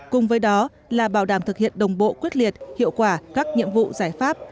cùng với đó là bảo đảm thực hiện đồng bộ quyết liệt hiệu quả các nhiệm vụ giải pháp